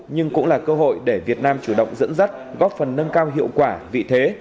nhưng cũng là cơ hội để việt nam chủ động dẫn dắt góp phần nâng cao hiệu quả vị thế